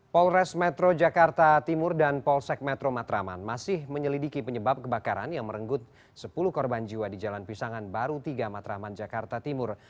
polres metro jakarta timur dan polsek metro matraman masih menyelidiki penyebab kebakaran yang merenggut sepuluh korban jiwa di jalan pisangan baru tiga matraman jakarta timur